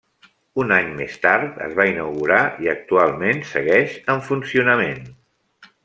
Un any més tard es va inaugurar i actualment segueix en funcionament.